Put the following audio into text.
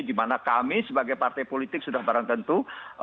di mana kami sebagai partai politik sudah barang tentu